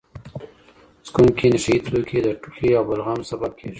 څکونکي نشه یې توکي د ټوخي او بلغم سبب کېږي.